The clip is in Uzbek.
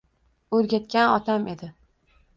O’rgatgan otam edi.